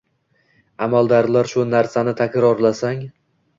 amaldorlar shu narsani takrorlasang